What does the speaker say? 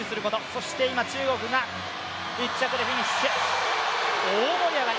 そして今、中国が１着でフィニッシュ、大盛り上がり。